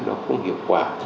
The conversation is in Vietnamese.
nó không hiệu quả